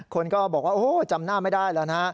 คนก็บอกว่าโอ้จำหน้าไม่ได้แล้วนะ